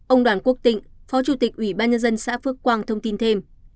ông đoàn quốc tịnh phó chủ tịch ủy ban nhân dân xã phước quang thông tin thêm